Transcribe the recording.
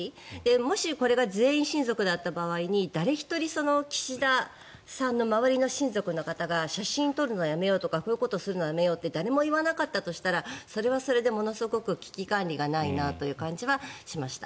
もし、これが全員親族だった場合に周りの岸田さんの親族の方が写真撮るのをやめようとかこういうことするのはやめようとか誰も言わなかったとしたらそれはそれでものすごく危機管理がないなという気がしました。